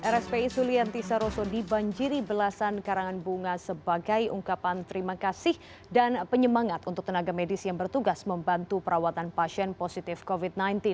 rspi sulianti saroso dibanjiri belasan karangan bunga sebagai ungkapan terima kasih dan penyemangat untuk tenaga medis yang bertugas membantu perawatan pasien positif covid sembilan belas